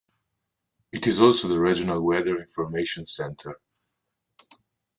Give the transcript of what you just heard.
It is also the regional weather information center.